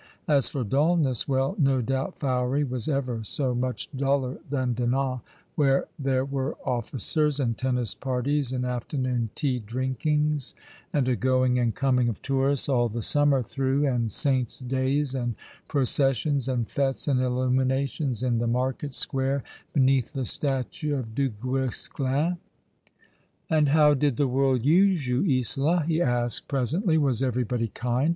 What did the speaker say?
As for dulness, well, no doubt Fowey was ever so much duller than Dinan, where there were officers and tennis parties and afternoon tea drinkings, and a going and coming of tourists all the summer through, and saints' days, and processions, and fetes and illuminations in the market square, beneath the statue of Duguesclin. "And how did the world use you, Isola?" he asked pre sently. " Was everybody kind